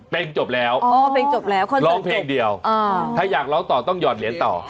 เพลงจบแล้วร้องเพลงเดียวถ้าอยากร้องต่อต้องหยอดเหลียนต่อ